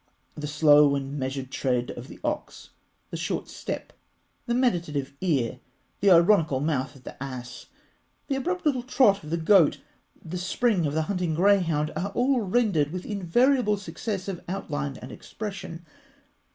The slow and measured tread of the ox; the short step, the meditative ear, the ironical mouth of the ass; the abrupt little trot of the goat, the spring of the hunting greyhound, are all rendered with invariable success of outline and expression.